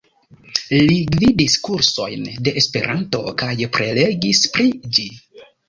Li gvidis kursojn de Esperanto kaj prelegis pri ĝi.